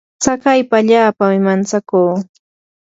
tsakaypa allaapami mantsakuu.